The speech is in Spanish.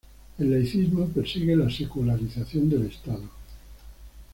El laicismo persigue la secularización del Estado.